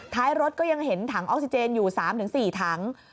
ท้ายรถก็ยังเห็นถังออกซิเจนอยู่๓๔ถัง